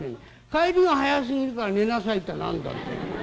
『帰りが早すぎるから寝なさい』って何だってんだ。